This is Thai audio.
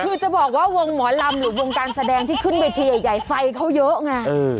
คือจะบอกว่าวงหมอลำหรือวงการแสดงที่ขึ้นเวทีใหญ่ไฟเขาเยอะไง